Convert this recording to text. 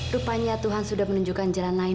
rupanya tuhan sudah menunjukkan jalan lain